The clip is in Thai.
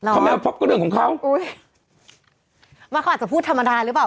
เขาไม่มาพบก็เรื่องของเขาอุ้ยว่าเขาอาจจะพูดธรรมดาหรือเปล่า